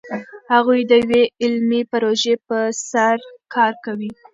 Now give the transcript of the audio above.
هغوی د یوې علمي پروژې په سر کار کوي.